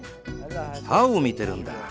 歯を見てるんだ。